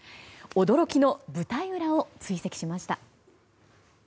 驚きの舞台裏を追跡しました。